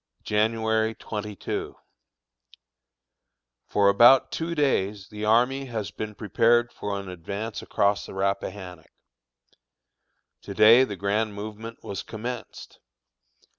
January 22. For about two days the army has been prepared for an advance across the Rappahannock. To day the grand movement was commenced.